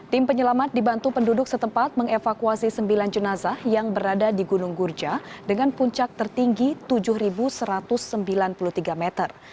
tim penyelamat dibantu penduduk setempat mengevakuasi sembilan jenazah yang berada di gunung gurja dengan puncak tertinggi tujuh satu ratus sembilan puluh tiga meter